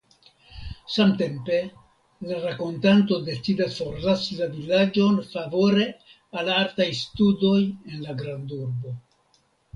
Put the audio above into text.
Samtempe la rakontanto decidas forlasi la vilaĝon favore al artaj studoj en la grandurbo.